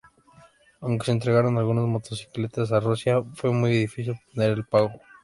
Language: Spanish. Aunque se entregaron algunas motocicletas a Rusia, fue muy difícil obtener el pago.